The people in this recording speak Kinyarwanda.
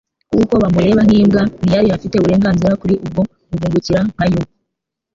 Kuko bamureba nk'imbwa, ntiyari afite uburengarizira kuri ubwo buvungukira nka yo ?